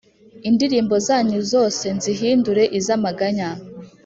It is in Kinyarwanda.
indirimbo zanyu zose nzihindure iz’amaganya.